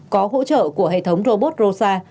có hỗ trợ của hệ thống robot rosa